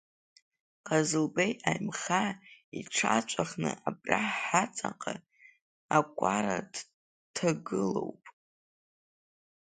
Ҟазылбеи Аимхаа иҽыҵәахны абра ҳаҵаҟа акәара дҭагылоуп.